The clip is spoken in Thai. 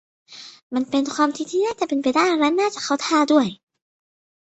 มันเป็นความคิดที่น่าจะเป็นไปได้และน่าจะเข้าท่าด้วย